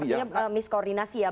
artinya miskoordinasi ya